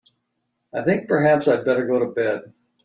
I think perhaps I'd better go to bed.